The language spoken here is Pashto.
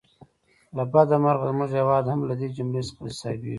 له بده مرغه زموږ هیواد هم له دې جملې څخه حسابېږي.